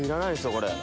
これ。